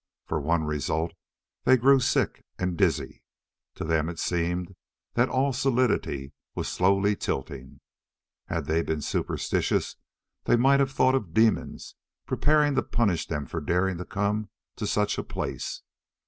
For one result, they grew sick and dizzy. To them it seemed that all solidity was slowly tilting. Had they been superstitious, they might have thought of demons preparing to punish them for daring to come to such a place.